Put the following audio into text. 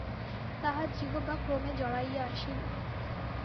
তাহার জিহ্বা ক্রমে জড়াইয়া আসিল।